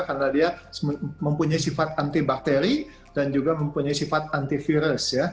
karena dia mempunyai sifat antibakteri dan juga mempunyai sifat antivirus